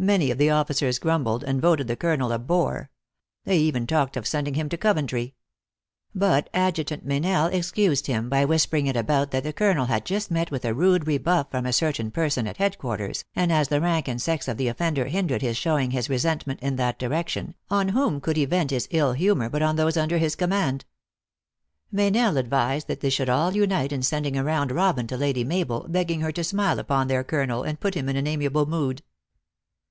Many of the officers grumbled, and voted the colonel a bore. They even talked of sending him to Coventry. But Adjutant Meynell excused him by THE ACTRESS IN HIGH LIFE. 255 whispering it about that the colonel had just met with a rude rebuff from a certain person at headquarters, and as the rank and sex of the offender hindered his showing his resentment: in that direction, on whom could he vent his ill humor but on those under his command? Meynell advised that they should all unite in sending a round robbin to Lady Mabel, beg ging her to smile upon their colonel, and put him in an amiable mood.